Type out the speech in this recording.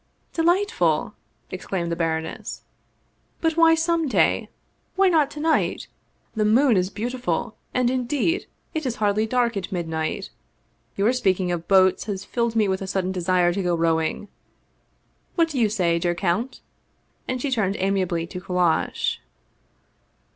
" Delightful," exclaimed the baroness. " But why some day? Why not to night? The moon is beautiful, and, in deed, it is hardly dark at midnight. Your speaking of boats has filled me with a sudden desire to go rowing. What do you say, dear count? " and she turned amiably to Kallash.